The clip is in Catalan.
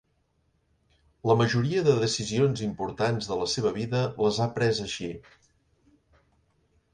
La majoria de decisions importants de la seva vida les ha pres així.